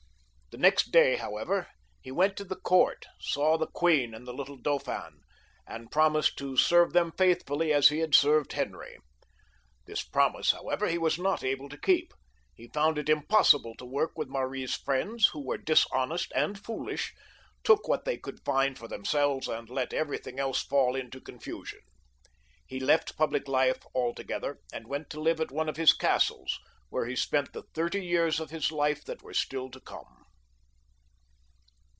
The next day, how ever, he went to the court, saw the queen and the little Dauphin, and promised to serve them faithfully as he had served Henry. This promise, however, he was not able to keep ; he found it impossible to work with Mary's friends, who were dishonest and foolish, took what they could find for themselves, and let everything else fall into confusion. He left public Kfe altogether, and went to live at one of his castles, where he spent the thirty years of his life that were still to come.